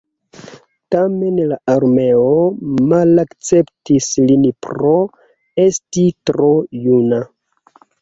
Tamen la armeo malakceptis lin pro esti tro juna.